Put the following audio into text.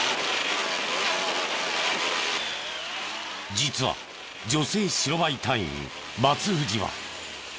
実は女性白バイ隊員松藤は。